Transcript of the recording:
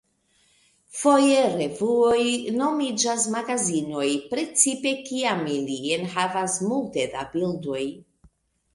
Foje revuoj nomiĝas "magazinoj", precipe kiam ili enhavas multe da bildoj.